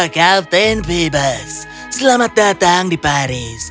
kapten phibus selamat datang di paris